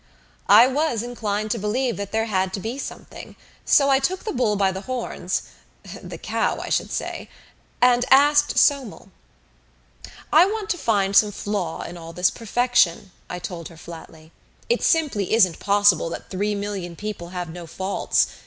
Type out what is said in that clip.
I was inclined to believe that there had to be something, so I took the bull by the horns the cow, I should say! and asked Somel. "I want to find some flaw in all this perfection," I told her flatly. "It simply isn't possible that three million people have no faults.